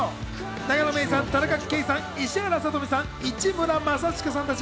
永野芽郁さん、田中圭さん、石原さとみさん、市村正親さんたち